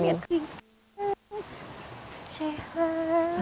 terus menurut pada orang tua